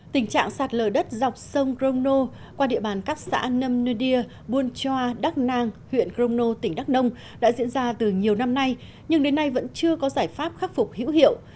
tình trạng sạt lở đất dọc sông gromno qua địa bàn các xã nâm nư đia buôn choa đắk nang huyện gromno tỉnh đắk nông đã diễn ra từ nhiều năm nay nhưng đến nay vẫn chưa có giải pháp khắc phục hữu hiệu